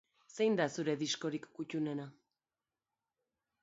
Zein da zure diskorik kuttunena?